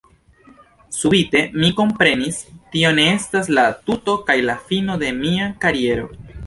Subite mi komprenis “Tio ne estas la tuto kaj la fino de mia kariero””.